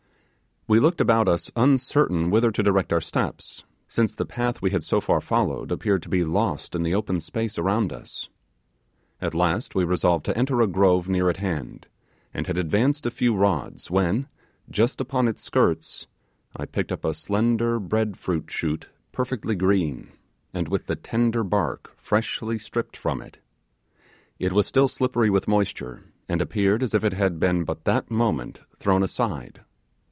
We looked about us uncertain whither to direct our steps, since the path we had so far followed appeared to be lost in the open space around us. At last we resolved to enter a grove near at hand, and had advanced a few rods, when, just upon its skirts, I picked up a slender bread fruit shoot perfectly green, and with the tender bark freshly stripped from it. It was still slippery with moisture, and appeared as if it had been but that moment thrown aside.